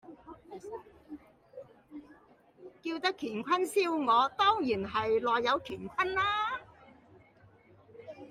叫得乾坤燒鵝，當然係內有乾坤啦